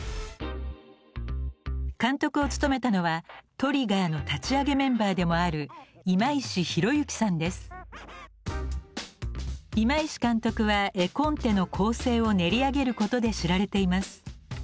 監督を務めたのはＴＲＩＧＧＥＲの立ち上げメンバーでもある今石監督は絵コンテの構成を練り上げることで知られています。